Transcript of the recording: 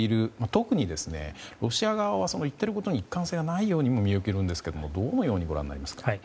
特にロシア側は言っていることに一貫性がないように見受けられるんですがどのようにご覧になりますか？